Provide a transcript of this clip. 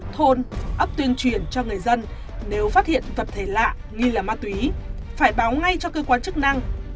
thôn ấp tuyên truyền cho người dân nếu phát hiện vật thể lạ nghi là ma túy phải báo ngay cho cơ quan chức năng